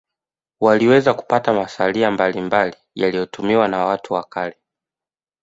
waliweza kupata masalia mbalimbali yaliyotumiwa na watu wa kale